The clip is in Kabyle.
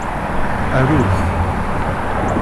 Aru-t.